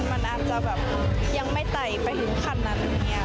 มันอาจจะแบบยังไม่ไตไปถึงคันนั้น